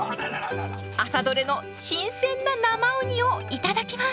朝どれの新鮮な生ウニを頂きます。